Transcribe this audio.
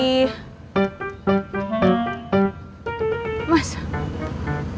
kita di tema tentang cerita